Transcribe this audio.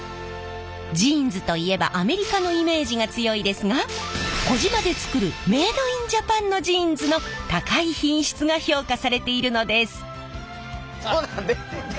ジーンズといえばアメリカのイメージが強いですが児島で作るメードインジャパンのジーンズの高い品質が評価されているのです！